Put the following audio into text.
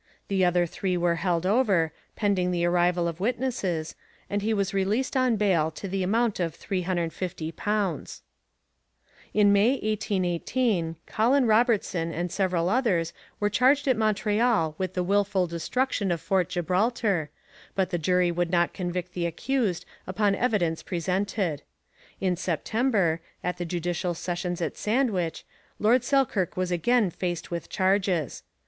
The other three were held over, pending the arrival of witnesses, and he was released on bail to the amount of £350. In May 1818 Colin Robertson and several others were charged at Montreal with the wilful destruction of Fort Gibraltar, but the jury would not convict the accused upon the evidence presented. In September, at the judicial sessions at Sandwich, Lord Selkirk was again faced with charges.